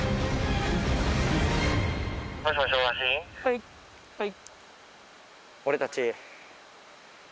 はいはい。